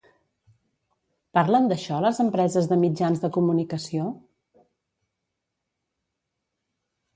Parlen d’això les empreses de mitjans de comunicació?